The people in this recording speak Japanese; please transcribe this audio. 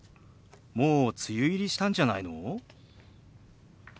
もう梅雨入りしたんじゃないの？